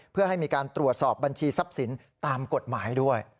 เพื่อให้มีการตรวจสอบบัญชีทรัพย์สินตามกฎหมายด้วย